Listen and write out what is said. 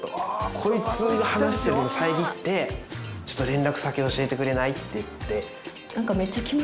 こいつが話してるのさえぎってちょっと連絡先教えてくれない？って言って。